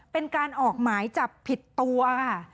เป็นการออกหมายจับผิดตัวค่ะ